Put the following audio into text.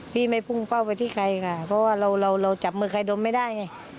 พี่ไม่พุ่งเป้าไปที่ใครค่ะเพราะว่าเราเราจับมือใครดมไม่ได้ไง